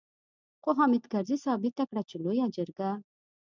خو حامد کرزي ثابته کړه چې لويه جرګه.